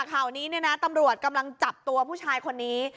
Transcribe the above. ข่าวนี้เนี่ยนะตำรวจกำลังจับตัวผู้ชายคนนี้